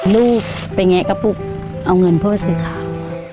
ลูกไปแงะกระปุกเอาเงินเพื่อซื้อข้าว